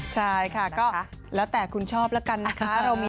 ใช่ค่ะก็แล้วแต่คุณชอบแล้วกันนะคะ